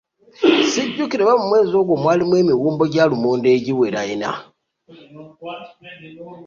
Sijjukira oba mu mwezi ogwo mwalirwamu emiwumbo gya lumonde egiwera ena.